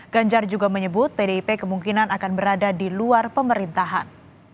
ganjar juga menyebut pdip kemungkinan akan berada di luar pemerintahan